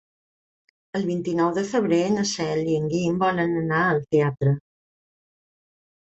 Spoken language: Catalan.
El vint-i-nou de febrer na Cel i en Guim volen anar al teatre.